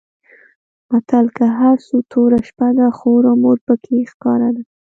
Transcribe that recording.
متل؛ که هر څو توره شپه ده؛ خور او مور په کې ښکاره ده.